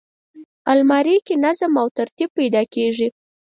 الماري کې نظم او ترتیب پیدا کېږي